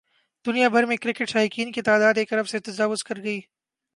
دنیا بھر میں کرکٹ شائقین کی تعداد ایک ارب سے تجاوز کر گئی